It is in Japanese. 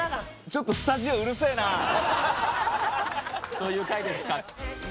そういう回ですから。